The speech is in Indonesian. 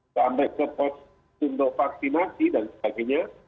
sampai ke pos untuk vaksinasi dan sebagainya